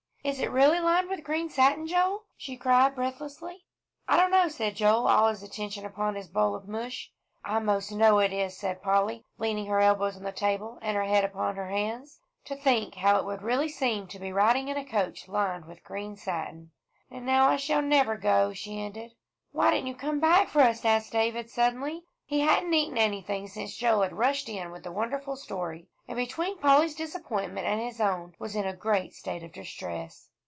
"Is it really lined with green satin, Joel?" she cried breathlessly. "I don't know," said Joel, all his attention upon his bowl of mush. "I most know it is," said Polly, leaning her elbows on the table, and her head upon her hands, to think how it would really seem to be riding in a coach lined with green satin. "And now I never shall go," she ended. "Why didn't you come back for us?" asked David, suddenly. He hadn't eaten anything since Joel had rushed in with the wonderful story, and between Polly's disappointment and his own, was in a great state of distress.